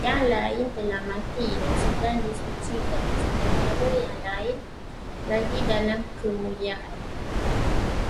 Yang lain telah mati dan sedang disucikan, sementara yang lain lagi dalam kemuliaan